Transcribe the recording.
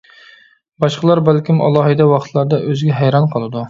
باشقىلار بەلكىم ئالاھىدە ۋاقىتلاردا ئۆزىگە ھەيران قالىدۇ.